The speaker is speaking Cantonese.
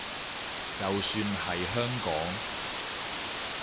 就算係香港